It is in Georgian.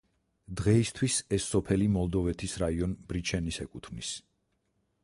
დღეისთვის ეს სოფელი მოლდოვეთის რაიონ ბრიჩენის ეკუთვნის.